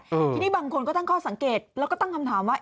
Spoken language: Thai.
ทีนี้บางคนก็ตั้งข้อสังเกตแล้วก็ตั้งคำถามว่า